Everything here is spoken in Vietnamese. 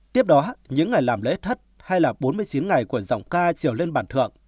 tiếp đó những ngày làm lễ thất hay là bốn mươi chín ngày của giọng ca chiều lên bàn thượng